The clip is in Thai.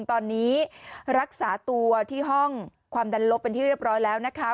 ตอนนี้รักษาตัวที่ห้องความดันลบเป็นที่เรียบร้อยแล้วนะคะ